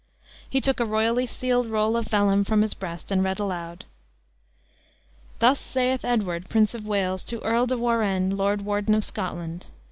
He took a royally sealed roll of vellum from his breast, and read aloud: "Thus saith Edward, Prince of Wales, to Earl de Warenne, Lord Warden of Scotland.